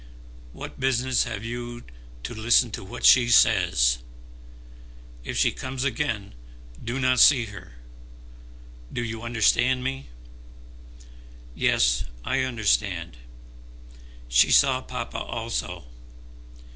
"What business have you to listen to what she says? If she comes again, do not see her. Do you understand me?" "Yes, I understand. She saw papa also.